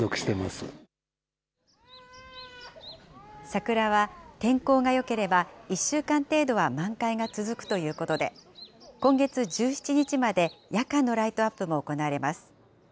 桜は天候がよければ、１週間程度は満開が続くということで、今月１７日まで夜間のライトアップも行われます。